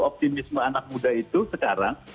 optimisme anak muda itu sekarang